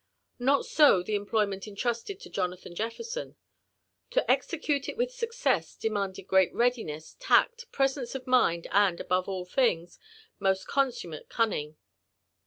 Not so the employment entrusted to Jonathan Jefferson : to exeenie ii with success, demanded great readiness, tact, presence of mind, and, above all Ihingi, most consummate cunning.